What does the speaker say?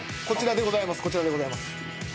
こちらでございます。